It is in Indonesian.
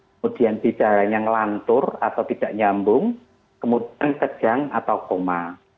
kemudian bicaranya ngelantur atau tidak nyambung kemudian tegang atau koma